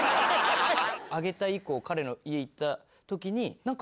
あげた以降彼の家行った時に何か。